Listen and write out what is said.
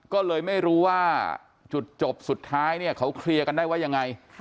ก็เลยไม่รู้ว่าจุดจบสุดท้ายเนี่ยเขาเคลียร์กันได้ว่ายังไง